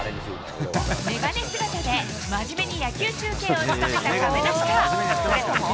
眼鏡姿で、真面目に野球中継を務めた亀梨か、それとも。